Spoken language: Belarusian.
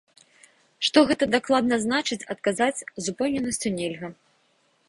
Што гэта дакладна значыць, адказаць з упэўненасцю нельга.